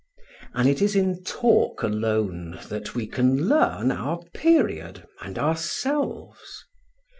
And it is in talk alone that we can learn our period and ourselves.